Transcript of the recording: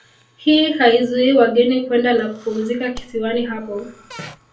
Hii haizuii wageni kwenda na kupumzika kisiwani hapo